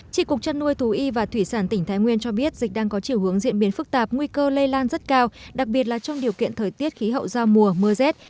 trị cục chăn nuôi thú y và thủy sản tỉnh thái nguyên cho biết dịch đang có chiều hướng diễn biến phức tạp nguy cơ lây lan rất cao đặc biệt là trong điều kiện thời tiết khí hậu giao mùa mưa rét